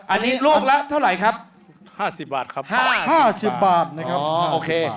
อันนี้ลูกละเท่าไหร่ครับห้าสิบบาทครับ๕๐บาทนะครับโอเค